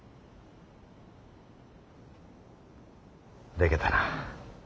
でけたな。